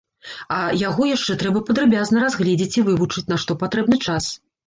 А яго яшчэ трэба падрабязна разгледзець і вывучыць, на што патрэбны час.